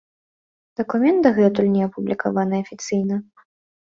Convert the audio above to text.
Дакумент дагэтуль не апублікаваны афіцыйна.